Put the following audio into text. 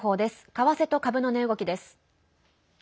為替と株の値動きです。